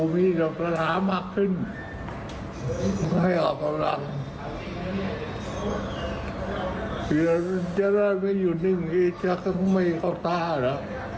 เหลือจราชไม่อยู่นิ่งอีชและก็ไม่เอาตราละ